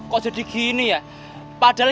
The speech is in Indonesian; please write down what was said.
kok jadi gini ya padahal